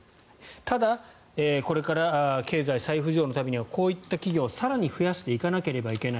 ただ、これから経済再浮上のためにはこういった企業を更に増やしていかないといけない。